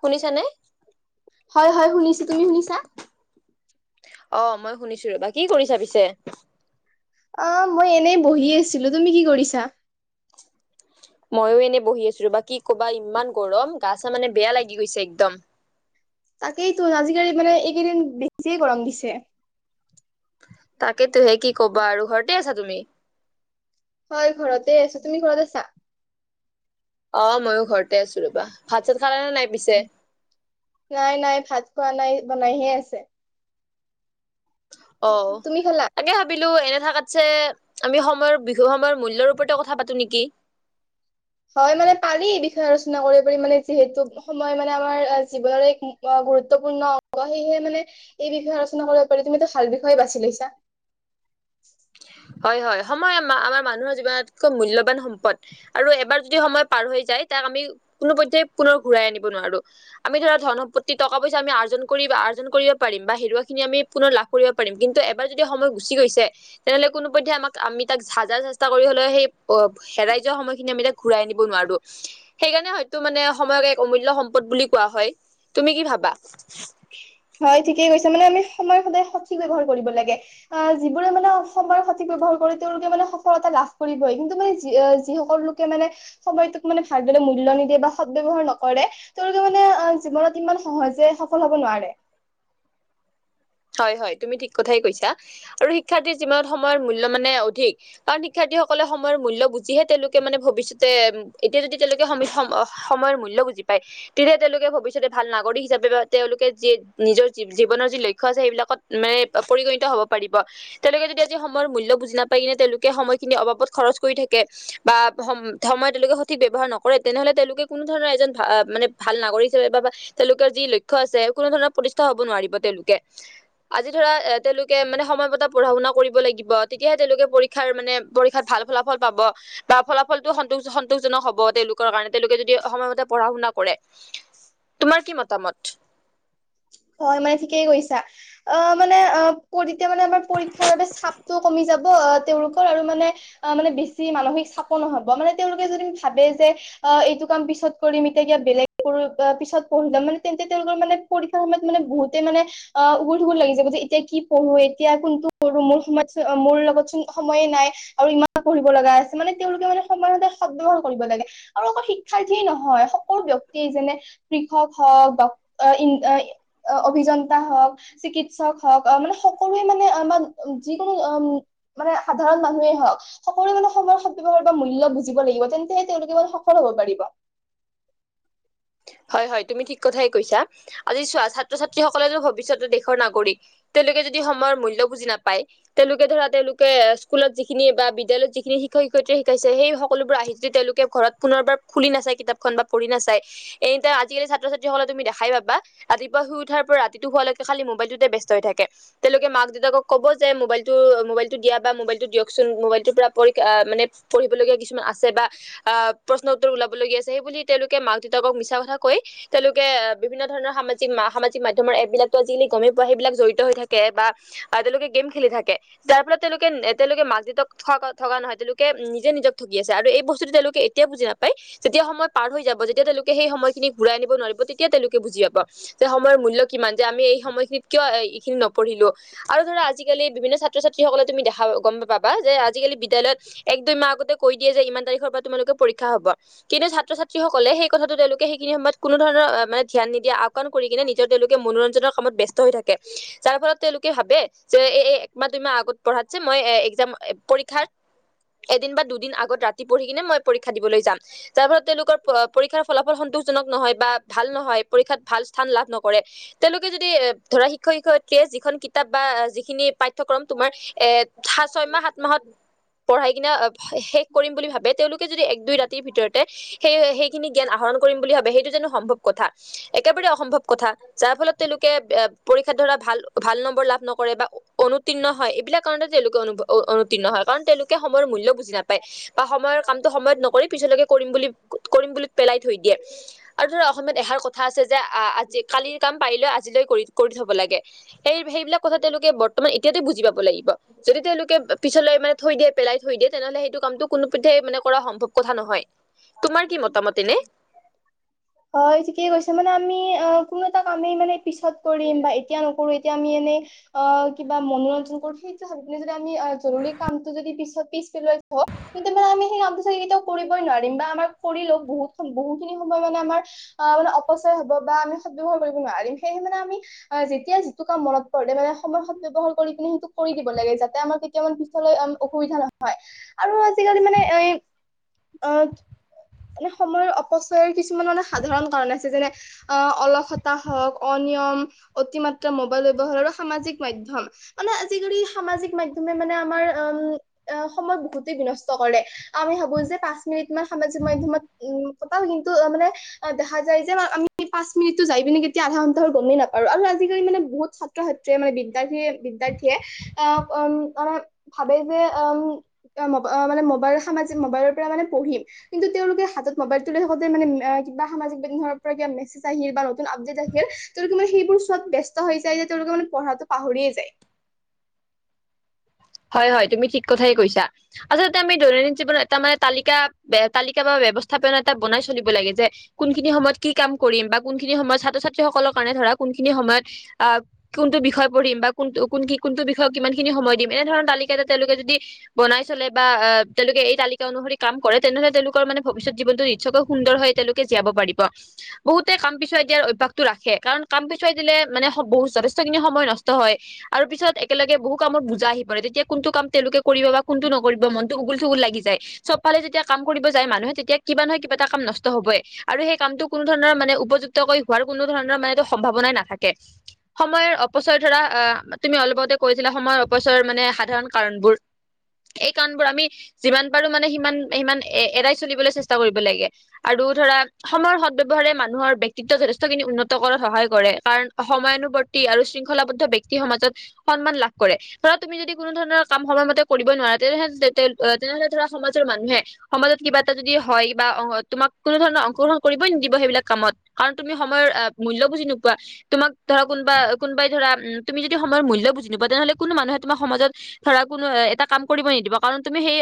শুনিছা নে হয় হয় শুনিছো তুমি শুনিছা অ মই শুনিছো ৰবা কি কৰিছাঁ পিছে অ মই এনেই বহি আছিলো তুমি কি কৰিছা ময়ো বহি আছো বা কি ক'বা ইমান গৰম চা মানে বেয়া লাগি গৈছে একদম তাকেইতো আজিকালি মানে এইকেইদিন বেছিয়ে গৰম দিছে তাকেতো হে কি ক'বা আৰু ঘৰতে আছা তুমি হয় ঘৰতে আছোঁ তুমি ঘৰতে আছা অ' ময়ো ঘৰতে আছোঁ ৰ'বা ভাত চাত খালা নে নাই পিছে নাই নাই ভাত খোৱা নাই বনাইহে আছে অ' তুমি খালা তাকে ভাব বিলো এনে থাকাত যে আমি সময়ৰ বিহু সময়ৰ মূল্যৰ ওপৰতে কথা পাতো নেকি হয় মানে পাৰি বিষয়ে আলোচনা কৰিব পাৰি মানে যিহেতু সময় মানে আমাৰ জীৱনৰ এক ইয়াৰ গুৰুত্বপূৰ্ণ সেয়েহে মানে এই বিষয়ে আলোচনা কৰিব পাৰি তুমি এটা ভাল বিষয়ে বাছি লৈছা হয় হয় সময় আম আমাৰ মানুহৰ জীৱনতকৈ মূল্যবান সম্পদ আৰু এবাৰ যদি সময় পাৰ হৈ যায় তাক আমি কোনো পধ্যেই পুনৰ ঘূৰাই আনিব নোৱাৰোঁ আমি ধৰা ধন সম্পত্তি টকা পইচা আমি আৰ্জন কৰি‌ আৰ্জন কৰিব পাৰিম বা হেৰুৱাখিনি আমি পুনৰ লাভ কৰিব পাৰিম কিন্তু এবাৰ যদি সময় গুচি গৈছে তেনেহ'লে কোনোপধ্যেই আমাক আমি তাক হাজাৰ চেষ্টা কৰি হলেও সেই হেৰাই যোৱা সময়খিনি আমি তাক ঘূৰাই আনিব নোৱাৰোঁ সেইকাৰণে হয়তো মানে সময়ক এক অমূল্য সম্পদ বুলি কোৱা হয় তুমি কি ভাবা হয় ঠিকেই কৈছে মানে আমি সময় সদায় সঠিক ব্যৱহাৰ কৰিব লাগে আহ যিবোৰে মানে সময়ৰ সঠিক ব্যৱহাৰ কৰে তেওঁলোকে মানে সফলতা লাভ কৰিবই কিন্তু মানে যিসকলোক মানে সময়টোক মানে ভালদৰে মূল্য নিদিয়ে বা সৎ ব্যবহাৰ নকৰে তেওঁলোকে মানে জীৱনত ইমান সহজে সফল হব নোৱাৰে। হয়, হয়, তুমি ঠিক কথাই কৈছা আৰু শিক্ষাৰ্থীৰ জীৱনত সময়ৰ মূল্য মানে অধিক। কাৰণ শিক্ষাৰ্থীসকলে সময়ৰ মূল্য বুজিহে তেওঁলোকে মানে ভৱিষ্যতে উম, এতিয়া যদি তেওঁলোকে সম সময়ৰ মূল্য বুজি পায় তেতিয়া তেওঁলোকে ভৱিষ্যতে ভাল নাগৰিক হিচাপে বা তেওঁলোকে যি নিজৰ জীৱনৰ যি লক্ষ্য [unintelligible] সেইবিলাকত মানে পৰিগণিত হ'ব পাৰিব। তেওঁলোকে যদি আজি সময়ৰ মূল্য বুজি নাপায় কিনে তেওঁলোকে সময় খিনিৰ অবাবত খৰচ কৰি থাকে বা সম সময়ৰ তেওঁলোকে সঠিক ব্যৱহাৰ নকৰে তেনেহ'লে তেওঁলোকে কোনো ধৰণৰ এজন ভ মানে ভাল নাগৰিক হিচাপে বা তেওঁলোকৰ যি লক্ষ্য আছে কোনো ধৰণৰ প্ৰতিষ্ঠা হব নোৱাৰিব তেওঁলোকে। আজি ধৰা এ তেওঁলোকে মানে সময় পতা পঢ়া-শুনা কৰিব লাগিব তেতিয়াহে তেওঁলোকে পৰীক্ষাৰ মানে পৰীক্ষাত ভাল ফলাফল পাব। বা ফলাফলটো সন্তো সন্তোষজনক হব তেওঁলোকৰ কাৰণে তেওঁলোকে যদি সময়মতে পঢ়া শুনা কৰে। তোমাৰ কি মতামত? হয়' মানে ঠিকেই কৈছা। অ' মানে অ' কতেতিয়া মানে আমাৰ পৰীক্ষাৰ বাবে চাপটোও কমি যাব অ' তেওঁলোকৰ আৰু মানে আহ মানে বেছি মানসিক চাপো নহ'ব মানে তেওঁলোকে যদি ভাবে যে অ' এইটো কাম পিছত কৰিম এতিয়া কিবা বেলেগ কৰোঁ, অ' পিছত পঢ়ি লম মানে তেন্তে তেওঁলোকৰ মানে পৰীক্ষাৰ সময় মানে বহুতে মানে [unintelligible] লাগি যাব যে এতিয়া কি পঢ়ো, এতিয়া কোনটো পঢ়ো? মোৰ লগতচোন সময়ে নাই। আৰু ইমান পঢ়িব লগা আছে মানে তেওঁলোকে মানে সময়মতে সৎ ব্যৱহাৰ কৰিব লাগে। আৰু অকল শিক্ষাৰ্থীয়ে নহয় সকলো ব্যক্তিয়েই যেনে কৃষক হওক বা অভিযন্তা হওক। চিকিৎসক হওক মানে সকলোৱে মানে আমাক যিকোনো উম মানে সাধাৰণ মানুহেই হওঁক। সকলোৱে মানে সময়ৰ সৎব্যৱহাৰ বা মূল্য বুজিব লাগিব তেন্তেহে তেওঁলোকে সফল হব পাৰিব। হয়, হয় তুমি ঠিক কথাই কৈছা। আজি চোৱা ছাত্ৰ ছাত্ৰীসকলেটো ভৱিষ্যতে দেশৰ নাগৰিক। তেওঁলোকে যদি সময়ৰ মূল্য বুজি নাপায় তেওঁলোকে ধৰা তেওঁলোকে স্কুলত যিখিনি বা বিদ্যালয়ত যিখিনি শিক্ষক শিক্ষয়িত্ৰী শিকাইছে সেই সকলোবোৰ আহি যদি তেওঁলোকে ঘৰত পুনৰবাৰ খুলি নাচায় কিতাপখন বা পঢ়ি নাচাই এ, ইতা আজিকালি ছাত্ৰ ছাত্ৰীসকলে তুমি দেখাই পাবা ৰাতিপুৱা শুই উঠাৰ পৰা ৰাতিটো হোৱালৈকে খালি মোবাইলটোতে ব্যস্ত হৈ থাকে। তেওঁলোকে মাক দেউতাকক ক'ব যে মোবাইলটো মোবাইলতটো দিয়া বা মোবাইলতটো দিয়কচোন মোবাইলটোৰ পৰা পৰীক আ' মানে পঢ়িবলগীয়া কিছুমান আছে বা আহ' প্ৰশ্ন উত্তৰ ওলাবলগীয়া আছে সেই বুলি তেওঁলোকে মাক দেউতাকক মিছা মিচা কথা কৈ তেওঁলোকে আহ' বিভিন্ন ধৰণৰ সামাজিক সামাজিক মাধ্যমৰ এপ বিলাকটো গমেই পোৱা সেইবিলাক জড়িত হৈ বা আৰু তেওঁলোকে গেম খেলি থাকে। যাৰ ফলত তেওঁলোকে তেওঁলোকে মাক দেউতাকক ঠগা নহয় তেওঁলোকে নিজে নিজক ঠগি আছে আৰু এই বস্তুটো তেওঁলোকে- এতিয়া বুজি নাপায়। যেতিয়া সময় পৰ হৈ যাব যেতিয়া তেওঁলোকে সেই সময়খিনি ঘূৰাই আনিব নোৱাৰিব তেতিয়া তেওঁলোকে বুজি পাব। যে সময়ৰ মূল্য কিমান যে আমি এই সময়খিনিত কিয় এইখিনি নপঢ়িলো। আৰু ধৰা আজিকালি বিভিন্ন ছাত্ৰ ছাত্ৰীসকলে তুমি দেখা গম পাবা যে আজিকালি বিদ্যয়ালয়ত এক দুই মাহ আগতে কৈ দিয়ে যে ইমান তাৰিখৰ পৰা তোমালোকৰ পৰীক্ষা হব। কিন্তু ছাত্ৰ ছাত্ৰীসকলে সেই কথাটো তেওঁলোকে সেইখিনিয়ত কোনো ধৰণৰ মানে ধ্যান নিদিয়ে আওকাণ কৰি কিনে নিজে তেওঁলোকে মনোৰঞ্জনৰ কামত ব্যস্ত হৈ থাকে। যাৰ ফলত তেওঁলোকে ভাবে, যে এ একমাহ দুইমাহ আগত পঢ়াতছে মই এ একজাম পৰীক্ষাৰ এদিন বা দুদিন আগত ৰাতি পঢ়ি কিনে মই পৰীক্ষা দিবলৈ যাম। যাৰ ফলত তেওঁলোকৰ পৰীক্ষাৰ ফলাফল সন্তোষজনক নহয় বা ভাল নহয়, পৰীক্ষাত ভাল স্থান লাভ- নকৰে। তেওঁলোকে যদি ধৰা শিক্ষক শিক্ষয়িত্ৰী যিখন - কিতাপ বা যিখিনি পাঠ্যক্ৰম তোমাৰ এ ছয় মাহ, সাত মাহত- পঢ়াই কিনা শেষ কৰিম বুলি ভাবে, তেওঁলোকে যদি এক দুই ৰাতিৰ ভিতৰতে, সেই সেই- খিনি জ্ঞান আহৰণ কৰিম বুলি ভাবে, সেইটো জানো সম্ভৱ কথা। একেবাৰে অসম্ভৱ কথা। যাৰ ফলত তেওঁলোকে পৰীক্ষাৰ ধৰা ভাল ভাল নম্বৰ লাভ নকৰে বা- অনুতীৰ্ণ হয়, এইবিলাক কাৰণতে তেওঁলোকে অনুতীৰ্ণ হয়। কাৰণ তেওঁলোকে সময়ৰ মূল্য বুজি নাপায়। বা সময়ৰ কামটো সময়ত নকৰি, পিছলৈকে কৰিম বুলি কৰিম- পেলাই থৈ দিয়ে। আৰু ধৰা অসমত এষাৰ কথা আছে যে, আ আ কালিৰ কাম পাৰিলে আজিলৈ- কৰি কৰি থব লাগে। সেই সেইবিলাক কথা তেওঁলোকে বৰ্তমান- তেতিয়াতো বুজি পাব লাগিব। যদি তেওঁলোকে পিছলৈ মানে থৈ দিয়ে পেলাই থৈ দিয়ে- তেনেহ'লে সেইটো কামটো কোনোপধ্যই মানে কৰা সম্ভৱ কথা নহয়, তোমাৰ কি মতামত এনে? [unintelligible] হয়, ঠিকে কৈছে মানে আমি অ' কোনো এটা কামেই মানে পিছত কৰিম বা এতিয়া নকৰো, এতিয়া আমি এনে- অঁ, কিবা মনোৰঞ্জন কৰো, সেইটো যদি আমি জৰুৰী কামটো যদি পিছত পিছ পেলাই থওঁ- কিন্তু মানে আমি সেই কামটো চাগৈ কেতিয়াও কৰিবই নোৱাৰিম বা আমাৰ কৰি লওঁ, বহুত বহুতখিনি সময় মানে আমাৰ- অঁ, মানে অপচয়ৰ হব বা সদব্যৱহাৰ কৰিব নোৱাৰিম। সেই মানে আমি- অঁ, যেতিয়া যিটো কাম মনত পৰে মানে সময় সদ্ব্যৱহাৰ ব্যৱহাৰ কৰি কিনে সেইটো কৰি দিব লাগে যাতে আমাৰ- কাৰণ পিছলৈ অসুবিধা নহয় আৰু আজিকালি মানে এ আহ- মানে সময়ৰ অপচয়ৰ কিছুমান মানে সাধাৰণ কাৰণ আছে। যেনে- অঁ, অলসতা হওঁক, অনিয়ম, অতিমাত্ৰ মোবাইল ব্যৱহাৰ আৰু সামাজিক মাধ্যম- মানে আজিকালি সামাজিক মাধ্যমে মানে আমাৰ উম, সময় বহুতেই বিনষ্ট কৰে। আমি ভাবোঁ যে পাঁচ মিনিট মান সামাজিক মাধ্যমত উম কটাও। কিন্তু মানে- দেখা যায় যে আমি পাঁচ মিনিটতো যাই পিনে কেতিয়া আধা ঘণ্টা হয় গমেই নাপাওঁ আৰু আজিকালি মানে বহুত- সত্ৰ মানে বিদ্যাৰ্থীয়ে, বিদ্যাৰ্থীয়ে আহ উম মান ভাবে যে উম- অঁ, ম মানে মোবাইলৰ সামাজিক মোবাইলৰ পৰা মানে পঢ়িম। কিন্তু তেওঁলোকে হাতত মোবাইল তুলি থাকোতে মানে কিব সামাজিকৰ পৰা ক মেছেজ আহিল বা নতুন আপডেট আহিল- তেওঁলোকে মানে সেইবোৰ চোৱাত ব্যস্ত হৈ যায় যে তেওঁলোক মানে পঢ়াটো পাহৰিয়ে যায়। হয়, হয় তুমি ঠিক কথাই কৈছা। আচলতে আমি দৈনন্দিন জীৱনত এটা মানে তালিকা বে তালিকা বা ব্যৱস্থা বনাই চলিব লাগে যে- কোনখিনি সময়ত কি কাম কৰিম বা কোনখিনি সময়ত ছাত্ৰ ছাত্ৰীসকলৰ কাৰণে ধৰা কোনখিনি সময়ত- অঁ কোনটো বিষয় পঢ়িম বা কোন ক কোনটো বিষয়ে কিমান খিনি সময় দিম। তেনেধৰণৰ তালিকা তেওঁলোকে যদি- বনাই চলে বা আহ তেওঁলোকে এই তালিকা আ আ বনাই চলে বা আ তেওঁলোকে এই তালিকা অনুসৰি কাম কৰে, তেনেহলে তেওঁলোকৰ মানে ভৱিষ্যত জীৱনতটো নিশ্চয়কৈ সুন্দৰ হয়। তেওঁলোক- জীয়াব পাৰিব। বহুতে কাম পিছুৱাই দিয়াৰ অভ্যাসতটো ৰাখে। কাৰণ কাম পিছুৱাই দিলে মানে বহুত যথেষ্টখিনি সময় নষ্ট হয়। আৰু পিছত একেলগে বহু কামত বুজা আহি- তেতিয়া কোনটো কাম তেওঁলোকে কৰিব বা কোনটো নকৰিব মনতটো উগুল ঠুগুচুুল লাগি যায়। চবফালে যেতিয়া কাম যায় মানুহে তেতিয়া কিবা নহয় কিবা এটা কাম নষ্ট হবই- আৰু সেই কামটো কোনো ধৰণৰ মানে উপযুক্তকৈ হোৱাৰ কোনো ধৰণৰ মানেটো সম্ভাৱনাই নাথাকে। সময়ৰ অপচয় ধৰা অঁ, তুমি অলপতে কৈছিলা সময়ৰ অপচয়- ৰ মানে সাধাৰণ কাৰণবোৰ- এই কাৰণবোৰ আমি যিমান পাৰো মানে সিমান সিমান এ এৰাই চলিবলৈ চেষ্টা কৰিব লাগে। আৰু ধৰা সময়ৰ সদব্যৱহাৰে মানুহৰ ব্যক্তিত্ব যথেষ্টখিনি উন্নত কৰাত সহায় কৰে। কাৰণ- সময়ানুবৰ্তি আৰু শৃংখলাবদ্ধ ব্যক্তি সমাজত সন্মান লাভ কৰে। ধৰা তুমি যদি কোনো ধৰণৰ কাম সময়মতে কৰিব নোৱা তেনেহলে তে তেনেহ'লে ধৰা সমাজৰ মানুহে। সমাজত কিবা এটা যদি হয় বা অ' তোমাক কোনো ধৰণৰ অংশগ্ৰহণ কৰিবই নিদিব সেইবিলাক কামত। কাৰণ তুমি সময়ৰ মূল্য বুজি নোপোৱা। তোমাক ধৰা কোনবা কোনোবাই ধৰা তুমি যদি সময়ৰ মূল্য বুজি নোপোৱা তেনেহ'লে কোনো মানুহে তোমাৰ সমাজত। ধৰা কোনো এটা কাম কৰিব নিদিব কাৰণ তুমি সেই।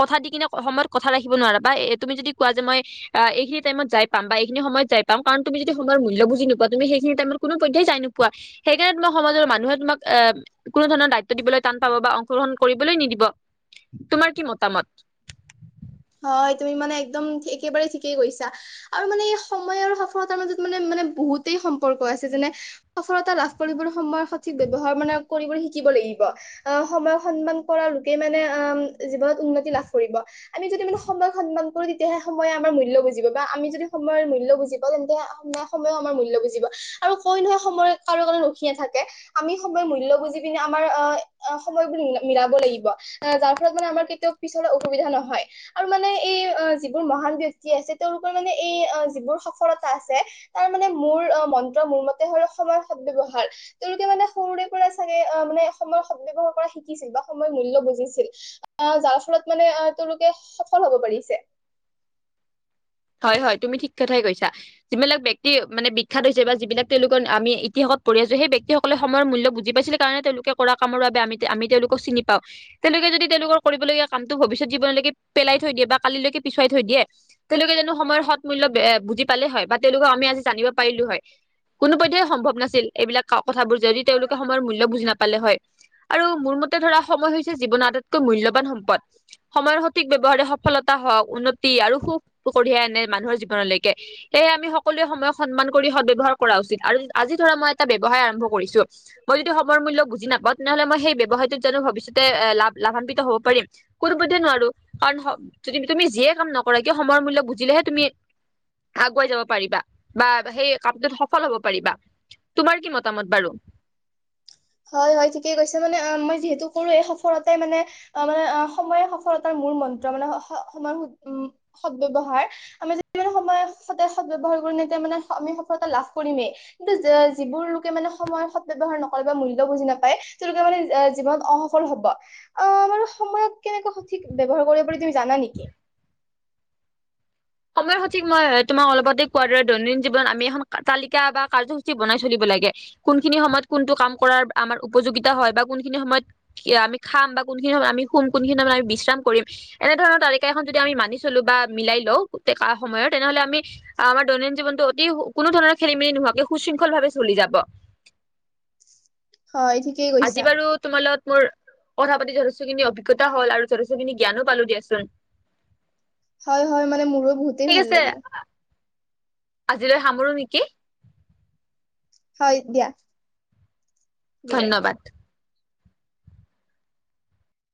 কথা দি কিনে সময়ত কথা ৰাখিব নোৱাৰা বা এ তুমি যদি কোৱা যে মই। অ' এই খিনি টাইমত যাই পাম বা এইখিনি সময়ত যাই পাম কাৰণ যদি সময়ৰ মূল্য বুজি নোপোৱা তুমি সেইখিনি টাইমত কোনোপধ্যেই নোপোৱা। সেইকাৰণে তোমাক সমাজৰ মানুহে তোমাক অ' কোনো ধৰণৰ দায়িত্ব দিবলৈ টান পাব বা অংশগ্ৰহণ কৰিবলৈ নিদিব তোমাৰ কি মতামত? হয় তুমি মানে একদম একেবাৰে ঠিকেই কৈছা। আৰু মানে এই সময় আৰু সফলতাৰ মাজত মানে মানে বহুতেই সম্পৰ্ক আছে যেনে। সফলতা লাভ কৰিবলৈ সময় সঠিক ব্যৱহাৰ মানে কৰিবলৈ শিকিব লাগিব। অহ সময় সন্মান কৰা লোকে মানে আহ জীৱনত উন্নতি লাভ কৰিব। আমি যদি মানে সময়ক সন্মান কৰো তেতিয়া। তেতিয়াহে সময়ে আমাৰ মূল্য বুজিব বা আমি যদি সময়ৰ মূল্য বুজিবা তেন্তে নাই সময়ো আমাৰ মূল্য বুজিব। আৰু কৈ নহয় সময় কাৰো কাৰণে ৰখি নাথাকে। আমি সময়ৰ মূল্য বুজি পিনে আমাৰ অ' সময়বোৰ মিলাব লাগিব। অ' যাৰ ফলত মানে আমাৰ কেতিয়াও পিছৰ অসুবিধা নহয়। আৰু মানে এই যিবোৰ মহান ব্যক্তি আছে, তেওঁওলোকৰ মানে এই যিবোৰ সফলতা আছে। তাৰ মানে মোৰ মন্ত্ৰ মোৰ মতে হ'ল অসমৰ সদব্যৱহাৰ। তেওঁলোকে মানে সৰুৰে পৰা চাগে অ মানে সময়ৰ সদ ব্যৱহাৰ কৰা শিকিছিল বা সময়ৰ মূল্য বুজিছিল আহ যাৰ ফলত মানে অ' তেওঁলোকে সফল হব পাৰিছে হয়- হয় তুমি ঠিক কথাই কৈছা। যিবিলাক ব্যক্তি মানে বিখ্যাত হৈছে বা যিবিলাক তেওঁলোকৰ আমি ইতিহাসত পঢ়ি আছো সেই ব্যক্তি সকলৰ। সময়ৰ মূল্য বুজি পাইছিলে কাৰণে, তেওঁলোকে কৰা কামৰ বাবে আমি তেওঁলোকক চিনি পাওঁ। তেওঁলোকে যদি তেওঁলোকৰ কৰিবলগীয়া কামটো ভৱিষ্যত জীৱনলৈকে পেলাই থৈ দিয়ে বা কালিলৈকে পিছুৱাই থৈ দিয়ে। তেওঁলোকে জানো সময়ৰ সৎ মূল্য বুজি পালেেই হয় বা তেওঁলোকক আমি আজি জানিব পাৰিলো হয়। কোনো পধ্যেই সম্ভৱ নাছিল এইবিলাক কথাবোৰ যদি তেওঁলোকে সময়ৰ মূল্য বুজি নাপালে হয় আৰু মোৰ মতে ধৰা সময় হৈছে জীৱনৰ আটাইতকৈ মূল্যবান সম্পদ সময়ৰ সৎ। সঠিক ব্যৱহাৰে সফলতা হওক উন্নতি আৰু সুখ কঢ়িয়াই আনে মানুহৰ জীৱনলৈকে। সেয়ে আমি সকলোৱে সময়ক সন্মান কৰি সদ্য়হাৰ কৰা উচিত আৰু আজি ধৰা মই। এটা ব্যৱসায় আৰম্ভ কৰিছো মই যদি সময়ৰ মূল্য বুজি নাপাওঁ। তেনেহ'লে মই সেই ব্যৱসায়তটোত জানো ভৱিষ্যতে লাভ লাভান্বিত হব পাৰিম। কোনোপধ্যে নোৱাৰো কাৰণ তুমি যিয়ে কাম নকৰা কিয় সময়ৰ মূল্যক বুজিলেহে তুমি। আগুৱাই যাব পাৰিবা বা কামটোত সফল পাৰিবা তোমাৰ কি মতামত বাৰু? হয় -হয় ঠিকেই কৈছে মানে অ' মই কৰো এই সফলতাই মানে। অ' মানে অ' সময়ে সফলতাৰ মূল মন্ত্ৰ মানে সময়ৰ সদবয়ৱহাৰ। আমি যি সময় সদায় সদ ব্যৱহাৰ কৰি তেতিয়া মানে আমি সফলতা লাভ কৰিমেই। কিন্তু যিবোৰ লোকে মানে সময়ৰ সৎ ব্যয়ৱহাৰ নকৰে। মূল্য বুজি নাপায়, তেওঁলোকে মানে জীৱনত অসফল হব। অ' আমাৰ সময়ক কেনেকে সঠিক ব্য্ৱহাৰ কৰিব বুলি তুমি জানা নেকি? সময়ৰ সঠিক মই তোমাক অলপতে কোৱাৰ দৰে দৈনন্দিন জীৱনত আমি এখন তালিকা বা কাৰ্যসূচী বনাই চলিব লাগে। কোনখিনি সময়ত কোনটো কাম কৰাৰ আমাৰ উপযোগিতা হয় বা কোনখিনি সময়ত। আমি খাম বা কোনখিনি সময় আমি শুম মানে বিশ্ৰাম কৰিম। এনেধৰণৰ তালিকা এখন যদি আমি মানি চলো বা মিলাই লওঁ গোট সময়ত তেনেহ'লে আমি আমাৰ দৈনন্দিন জীৱনটো অতি কোনো ধৰণৰ খেলি-মেলি নোহোৱাকে সুশৃংখল ভাৱে চলি যাব। হয় ঠিকেই আজি কৈছা বাৰু তোমাৰালত মোৰ কথা পাতি যথেষ্টখিনি অভিজ্তা হ'ল যথেষ্টখিন জ্ঞানো পালো দিয়াচোন। হয়, হয়, মানে মোৰো বহুতেই ঠিক ভাল আছে লাগিল। আজিলৈ সামৰো নেকি? হয়, দিয়া। বিদায় ধন্যবাদ।